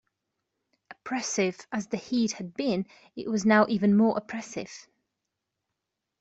Oppressive as the heat had been, it was now even more oppressive.